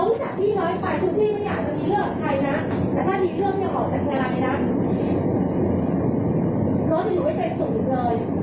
น้องจากที่น้อยไปทุกที่ไม่อยากจะมีเครื่องกับใครนะแต่ถ้ามีเครื่องเขี่ยวขอเห็นใครละเนี่ยณ